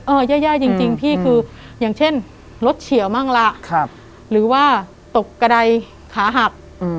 แย่จริงพี่คืออย่างเช่นรถเฉียวมั่งละหรือว่าตกกระดายขาหัก